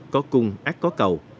có cung ác có cầu